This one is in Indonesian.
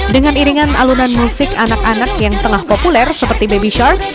dengan iringan alunan musik anak anak yang tengah populer seperti baby shark